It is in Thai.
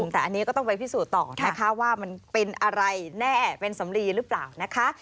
แต่อันนี้ก็ต้องไปพิสูจน์ต่อนะคะว่ามันเป็นอะไรแน่เป็นสำลีหรือเปล่านะคะ